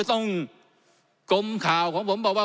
กรมข่าวของผมบอกว่า